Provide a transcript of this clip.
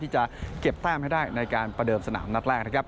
ที่จะเก็บแต้มให้ได้ในการประเดิมสนามนัดแรกนะครับ